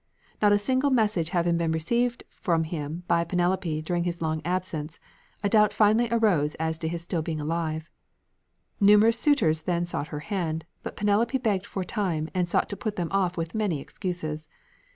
Not a single message having been received from him by Penelope during his long absence, a doubt finally arose as to his being still alive. Numerous suitors then sought her hand, but Penelope begged for time and sought to put them off with many excuses.